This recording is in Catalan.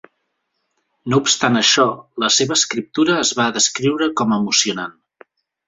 No obstant això, la seva escriptura es va descriure com emocionant.